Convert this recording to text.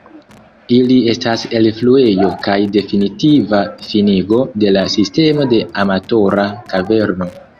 Ili estas elfluejo kaj definitiva finigo de la sistemo de Amatora kaverno.